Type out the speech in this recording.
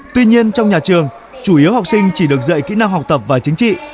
tuy nhiên trong nhà trường chủ yếu học sinh chỉ được dạy kỹ năng học tập và chính trị